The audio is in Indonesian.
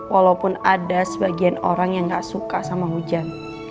walaupun ada sebagian orang yang gak suka sama hujan